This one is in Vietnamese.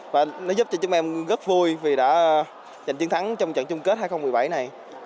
và nó giúp cho chúng em rất vui vì đã giành chiến thắng trong trận chung kết hai nghìn một mươi bảy này